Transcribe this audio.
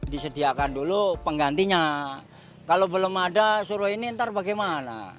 disediakan dulu penggantinya kalau belum ada suruh ini ntar bagaimana